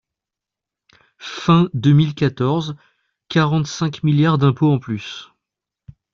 Fin deux mille quatorze, quarante-cinq milliards d’impôts en plus